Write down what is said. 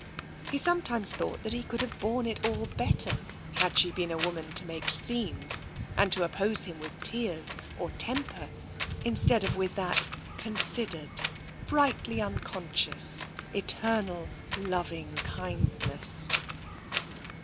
He sometimes thought that he could have borne it all better had she been a woman to make scenes, and to oppose him with tears or temper, instead of with that considered, brightly unconscious, eternal loving kindness.